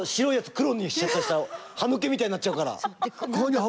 黒にしちゃったら歯抜けみたいになっちゃうから。